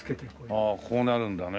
ああこうなるんだね。